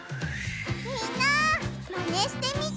みんなマネしてみてね！